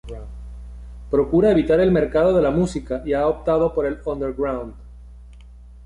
Procura evitar el mercado de la música y ha optado por el underground.